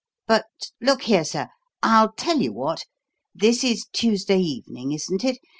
But look here, sir, I'll tell you what! This is Tuesday evening, isn't it?